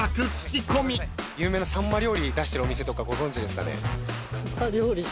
有名なさんま料理出してるお店とかご存じですかね？